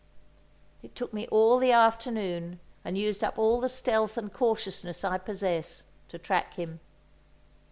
It took me all the afternoon, and used up all the stealth and cautiousness I possess, to track him.